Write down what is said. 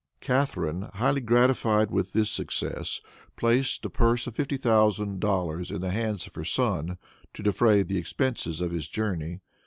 Catharine, highly gratified with this success, placed a purse of fifty thousand dollars in the hands of her son to defray the expenses of his journey.